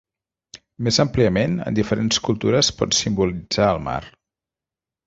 Més àmpliament, en diferents cultures pot simbolitzar el mar.